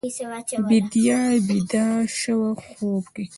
بیدیا بیده شوه خوب کې